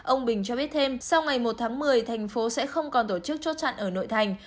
ông bình cho biết thêm sau ngày một tháng một mươi thành phố sẽ không còn tổ chức chốt chặn ở nội thành